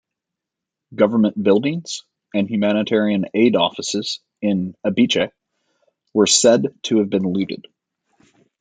Government buildings and humanitarian aid offices in Abeche were said to have been looted.